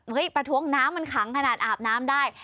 ประท้วงน้ำมันขังขนาดอาบน้ำได้